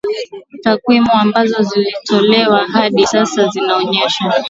takwimu ambazo zimetolewa hadi sasa zinaonyesha